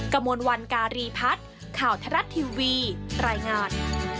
กระมวลวันการีพัฒน์ข่าวทรัฐทีวีรายงาน